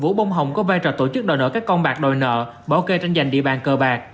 vũ bông hồng có vai trò tổ chức đòi nợ các con bạc đòi nợ bảo kê tranh giành địa bàn cờ bạc